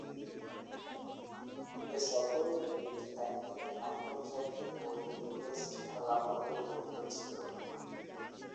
এ সফরে দুইটি একদিনের আন্তর্জাতিক ও একটি টেস্ট খেলা অন্তর্ভুক্ত ছিল।